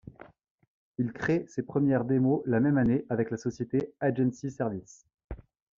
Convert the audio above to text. Il crée ses premières démos la même année, avec la société Agency Services.